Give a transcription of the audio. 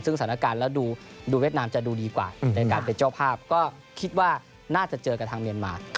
ซึ่งสถานการณ์แล้วดูเวียดนามจะดูดีกว่าในการเป็นเจ้าภาพก็คิดว่าน่าจะเจอกับทางเมียนมา